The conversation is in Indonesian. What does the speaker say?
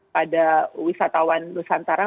pada wisatawan nusantara